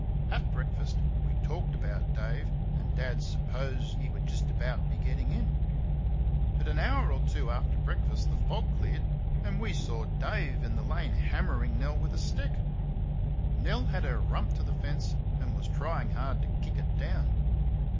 At breakfast we talked about Dave, and Dad "s'posed" he would just about be getting in; but an hour or two after breakfast the fog cleared, and we saw Dave in the lane hammering Nell with a stick. Nell had her rump to the fence and was trying hard to kick it down.